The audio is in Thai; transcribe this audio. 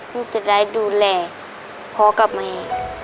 เพื่อจะได้ดูแลพ่อกับแม่